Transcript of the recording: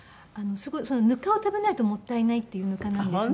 ぬかを食べないともったいないっていうぬかなんですね。